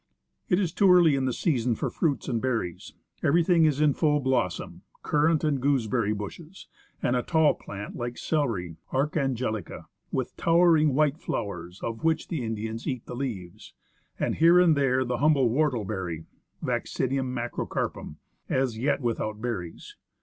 It is too early in the season for fruits and berries ; everything OSAR STREAM AND FOREST. is in full blossom : currant and gooseberry bushes, and a tall plant like celery [A re /i angelic a), with towering white flowers, of which the Indians eat the leaves; and here and there the humble whortleberry ( Vaccinum viacrocarpum), as yet without berries.